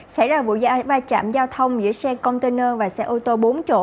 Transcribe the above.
xảy ra vụ vai trạm giao thông giữa xe container và xe ô tô bốn chỗ